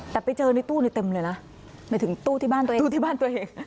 แต่ไปเจอในตู้แทนเต็มเลยไม่ถึงตู้ที่บ้านตัวเอง